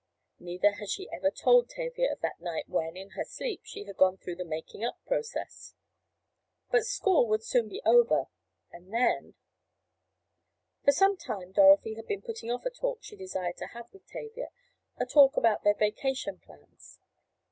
Neither had she ever told Tavia of that night when, in her sleep, she had gone through the making up process. But school would soon be over—and then— For some time Dorothy had been putting off a talk she desired to have with Tavia—a talk about their vacation plans.